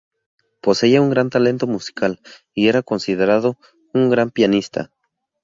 Poseía un gran talento musical y era considerado un gran pianista.